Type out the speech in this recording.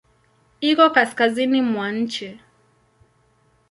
Iko kaskazini mwa nchi.